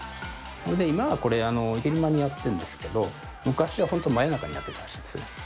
今はこれ、昼間にやってるんですけど、昔は本当、真夜中にやってたらしいですね。